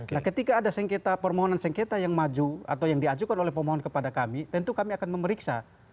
nah ketika ada sengketa permohonan sengketa yang maju atau yang diajukan oleh pemohon kepada kami tentu kami akan memeriksa